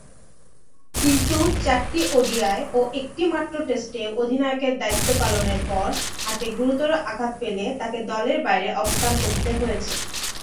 কিন্তু চারটি ওডিআই ও একটিমাত্র টেস্টে অধিনায়কের দায়িত্ব পালনের পর হাতে গুরুতর আঘাত পেলে তাকে দলের বাইরে অবস্থান করতে হয়েছে।